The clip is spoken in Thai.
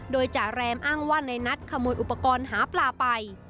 โดยจ่าแรมอ้างว่าในนัทขโมยอุปกรณ์หาปลาไป